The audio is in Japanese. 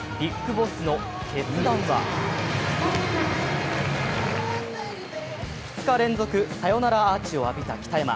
ＢＩＧＢＯＳＳの決断は２日連続サヨナラアーチを浴びた北山。